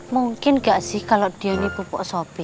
mungkin gak sih kalau dia ini pupuk sopi